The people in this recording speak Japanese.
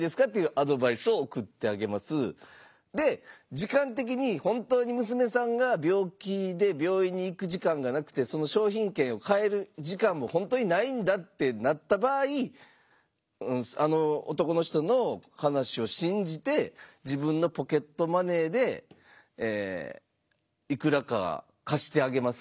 時間的に本当に娘さんが病気で病院に行く時間がなくてその商品券を換える時間も本当にないんだってなった場合あの男の人の話を信じて自分のポケットマネーでいくらか貸してあげます。